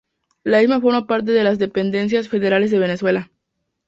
La isla forma parte de las Dependencias Federales de Venezuela.